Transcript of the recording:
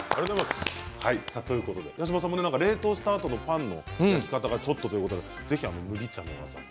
八嶋さんも冷凍したあとのパンの焼き方がちょっとということで、ぜひ麦茶を。